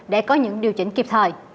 để có những điều chỉnh kịp thời